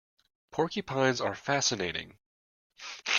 Porcupines are fascinating.